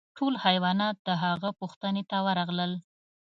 ټول حیوانات د هغه پوښتنې ته ورغلل.